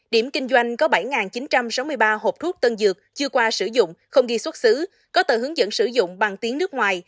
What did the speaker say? điểm kinh doanh có bảy chín trăm sáu mươi ba hộp thuốc tân dược chưa qua sử dụng không ghi xuất xứ có tờ hướng dẫn sử dụng bằng tiếng nước ngoài